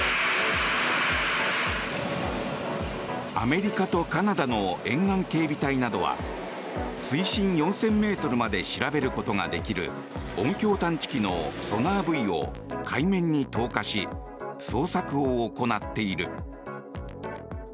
アメリカとカナダの沿岸警備隊などは水深４０００ｍまで調べることができる音響探知機のソナーブイを海面に投下し捜索を行っている。